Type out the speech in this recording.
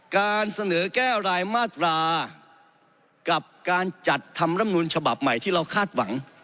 การเสนอแก้รายมาตรากับการจัดทำรำนูลฉบับใหม่ที่เราคาดหวัง